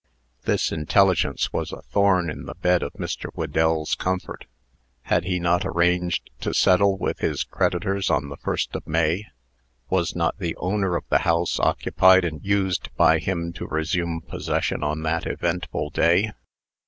This intelligence was a thorn in the bed of Mr. Whedell's comfort. Had he not arranged to settle with his creditors on the 1st of May? Was not the owner of the house occupied and used by him to resume possession on that eventful day?